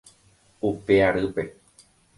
Upe arýpe.